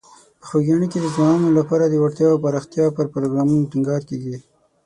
په خوږیاڼي کې د ځوانانو لپاره د وړتیاوو پراختیا پر پروګرامونو ټینګار کیږي.